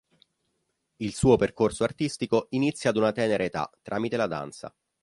Il suo percorso artistico inizia ad una tenera età tramite la danza.